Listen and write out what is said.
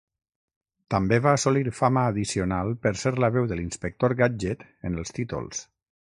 També va assolir fama addicional per ser la veu de l'Inspector Gadget en els títols.